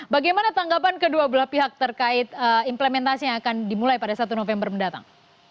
bagaimana tanggapan kedua belah pihak terkait implementasi yang akan dimulai pada satu november mendatang